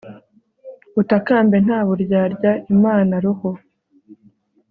utakambe nta buryarya (imana roho)